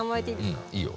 うんいいよ。